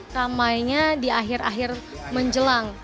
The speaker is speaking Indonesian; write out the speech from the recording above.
ramainya di akhir akhir menjelang